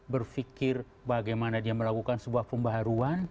berpikir bagaimana dia melakukan sebuah pembaruan